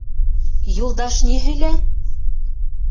Юлдаш ни һөйләр?